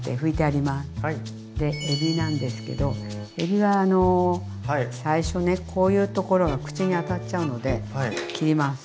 でえびなんですけどえびは最初ねこういうところが口に当たっちゃうので切ります。